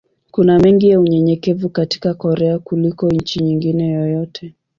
Kuna mengi ya unyenyekevu katika Korea kuliko nchi nyingine yoyote.